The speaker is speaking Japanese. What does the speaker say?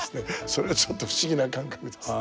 それがちょっと不思議な感覚です。